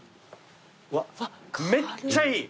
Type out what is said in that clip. うわめっちゃいい！